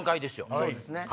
そうですね